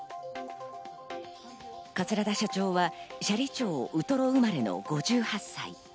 桂田社長は斜里町ウトロ生まれの５８歳。